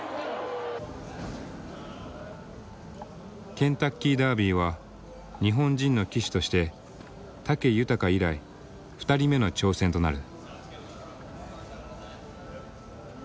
ケンタッキーダービーは日本人の騎手として武豊以来２人目の挑戦となる。